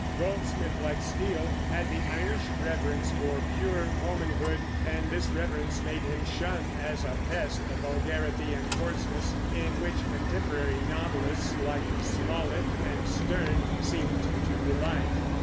Goldsmith like Steele, had the Irish reverence for pure womanhood, and this reverence made him shun as a pest the vulgarity and coarseness in which contemporary novelists, like Smollett and Sterne, seemed to delight.